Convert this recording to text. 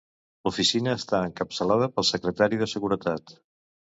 L'oficina està encapçalada pel secretari de Seguretat.